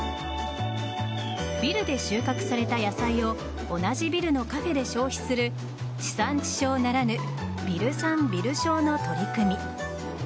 ビルで収穫された野菜を同じビルのカフェで消費する地産地消ならぬビル産ビル消の取り組み。